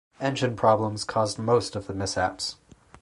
Engine problems caused most of the mishaps.